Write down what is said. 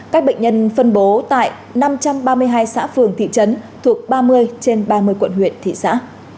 các bệnh nhân phân bố tại năm trăm ba mươi hai xã phường thị trấn thuộc ba mươi trên ba mươi quận huyện thị xã